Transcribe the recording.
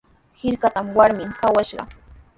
Hirkatrawmi warmiiwan kawashaq.